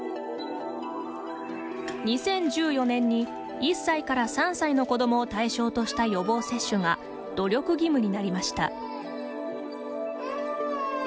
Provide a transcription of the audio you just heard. ２０１４年に、１歳から３歳の子どもを対象とした予防接種が努力義務になりました。